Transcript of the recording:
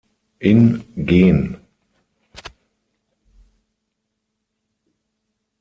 In Gen.